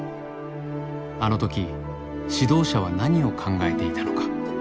あの時指導者は何を考えていたのか。